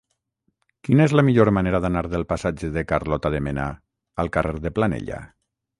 Quina és la millor manera d'anar del passatge de Carlota de Mena al carrer de Planella?